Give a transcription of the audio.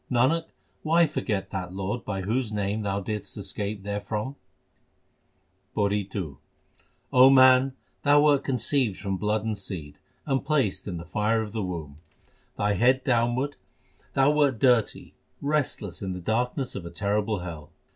Nanak, why forget that Lord by whose name thou didst escape therefrom ? PAURI II O man, thou wert conceived from blood and seed, and placed in the fire of the womb. Thy head downwards, thou wert dirty, restless in the darkness of a terrible hell.